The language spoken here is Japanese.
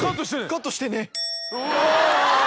「カットしてね」！あぁ！